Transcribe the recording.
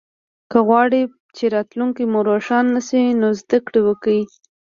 که غواړی چه راتلونکې مو روښانه شي نو زده ګړې وکړئ